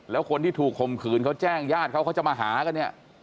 แล้วคนที่ถูกข่มขืนเขาแจ้งญาติเขาเขาจะมาหากันเนี่ย